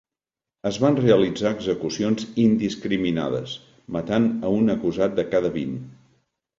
Es van realitzar execucions indiscriminades, matant a un acusat de cada vint.